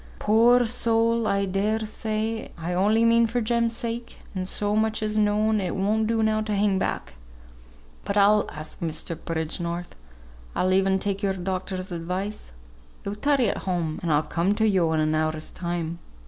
"Poor soul! I dare say. I only mean for Jem's sake; as so much is known, it won't do now to hang back. But I'll ask Mr. Bridgenorth. I'll e'en take your doctor's advice. Yo tarry at home, and I'll come to yo in an hour's time.